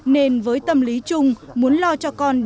nên với tâm lý chung muốn lo cho con